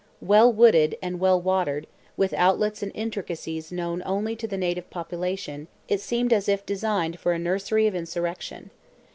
Well wooded, and well watered, with outlets and intricacies known only to the native population, it seemed as if designed for a nursery of insurrection.